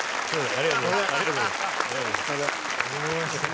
ありがとうございます